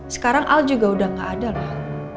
sekarang al juga udah gak ada loh